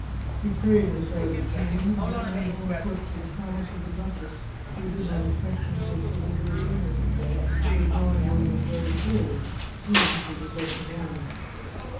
He prayed beside the tomb, and then went on foot to the palace of the duchess, who did not expect him till several days later. Her drawing room was very full. Soon she was left alone.